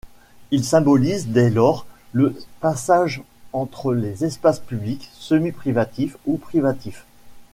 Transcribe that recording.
Ils symbolisent dès lors le passage entre des espaces publics, semi-privatifs ou privatifs.